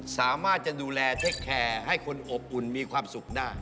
สามารถจะดูแลเทคแคร์ให้คนอบอุ่นมีความสุขได้